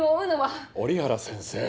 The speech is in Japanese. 折原先生。